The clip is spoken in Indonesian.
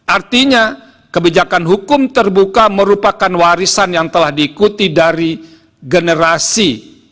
artinya kebijakan hukum terbuka merupakan warisan yang telah diikuti dari generasi